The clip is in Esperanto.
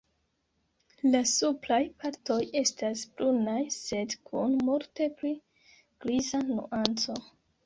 La supraj partoj estas brunaj sed kun multe pli griza nuanco.